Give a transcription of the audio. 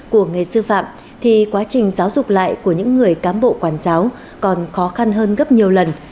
của nghề sư phạm thì quá trình giáo dục lại của những người cám bộ quản giáo còn khó khăn hơn gấp nhiều lần